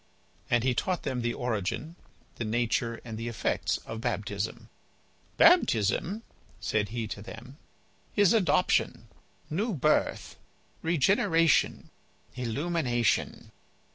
And he taught them the origin, the nature, and the effects of baptism. "Baptism," said he to them, "is Adoption, New Birth, Regeneration, Illumination."